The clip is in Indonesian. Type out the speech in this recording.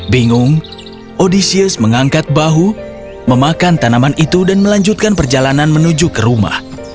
bingung odysius mengangkat bahu memakan tanaman itu dan melanjutkan perjalanan menuju ke rumah